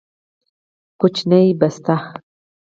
کوچنۍ بسته